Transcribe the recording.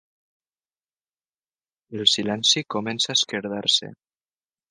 El silenci comença a esquerdar-se.